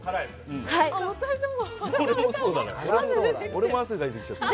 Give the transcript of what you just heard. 俺も汗出てきちゃった。